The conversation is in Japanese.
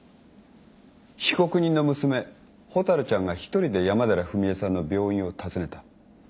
被告人の娘ほたるちゃんが一人で山寺史絵さんの病院を訪ねた。